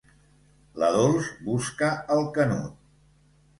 La Dols busca el Canut.